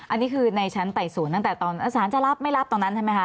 อันนี้คือในชั้นไต่สวนตั้งแต่ตอนสารจะรับไม่รับตอนนั้นใช่ไหมคะ